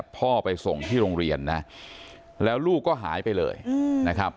พ่อไปส่งที่โรงเรียนนะแล้วลูกก็หายไปเลยนะครับ